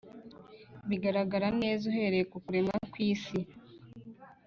bigaragara neza uhereye ku kuremwa kw’isi